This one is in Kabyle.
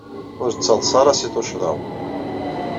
Ur ttaḍsa ara seg tuccḍa-w.